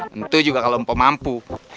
tentu juga kalau mpo mampu